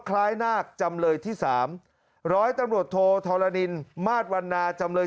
คล้ายนาคจำเลยที่สามร้อยตำรวจโทธรณินมาสวันนาจำเลย